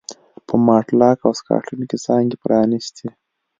په ماټلاک او سکاټلنډ کې څانګې پرانېستې.